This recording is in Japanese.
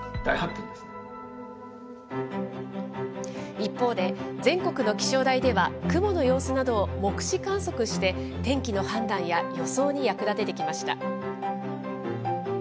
一方で、全国の気象台では、雲の様子などを目視観測して、天気の判断や予想に役立ててきました。